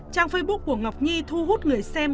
trang facebook của ngọc nhi thu hút người xem